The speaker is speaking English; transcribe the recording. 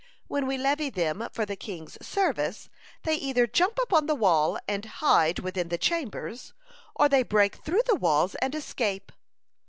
When we levy them for the king's service, they either jump upon the wall, and hide within the chambers, or they break through the walls and escape.